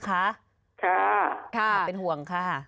ค่ะค่ะค่ะเป็นห่วงค่ะ